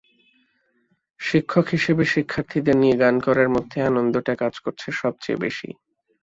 শিক্ষক হিসেবে শিক্ষার্থীদের নিয়ে গান করার মধ্যে আনন্দটা কাজ করেছে সবচেয়ে বেশি।